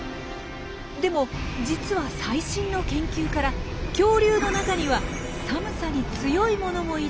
でも実は最新の研究から恐竜の中には寒さに強いものもいたことも分かってきたんです。